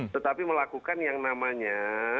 tetapi melakukan yang namanya